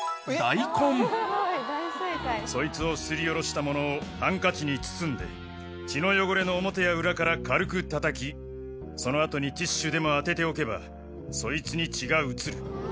そいつをすりおろしたものをハンカチに包んで血の汚れの表や裏から軽くたたきその後にティッシュでも当てておけばそいつに血が移る。